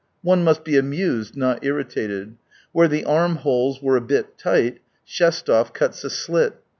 One must be amused, not irritated. Where the armholes were a bit tight, Shestov cuts a slit.